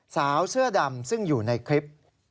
สาวเสื้อดำซึ่งอยู่ในคลิป